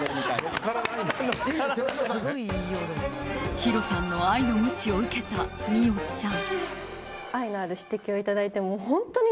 ヒロさんの愛のムチを受けた美桜ちゃん。